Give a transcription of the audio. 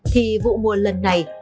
thì vụ mùa lần này